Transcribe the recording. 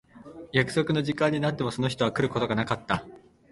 約束の時間になってもその人は来ることがなかった。